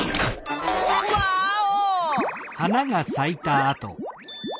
ワーオ！